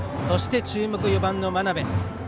そして注目、４番の真鍋。